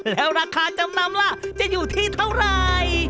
แล้วราคาจำนำล่ะจะอยู่ที่เท่าไหร่